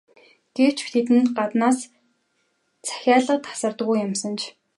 Гэвч тэдэнд гаднаас захиалга тасардаггүй юмсанж.